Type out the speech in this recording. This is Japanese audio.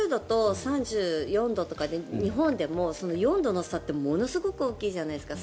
３０度と３４度とかで日本でも４度の差ってものすごく大きいじゃないですか。